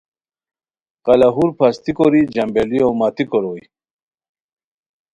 قلا ہور پھستی کوری جنجبیلو متی کوروئے